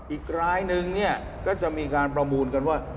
อีกรายนึงเนี่ยก็จะมีการประมูลกันว่า